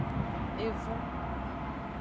Evon.